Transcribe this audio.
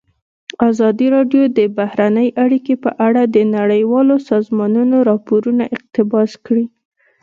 ازادي راډیو د بهرنۍ اړیکې په اړه د نړیوالو سازمانونو راپورونه اقتباس کړي.